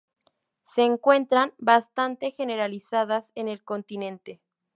Se encuentran bastante generalizadas en el continente.